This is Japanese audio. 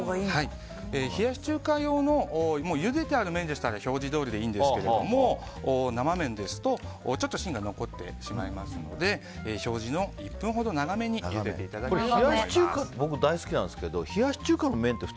冷やし中華用のゆでてある麺なら表示どおりでいいんですが生麺ですとちょっと芯が残ってしまいますので表示より１分ほど長めにゆでていただきたいと思います。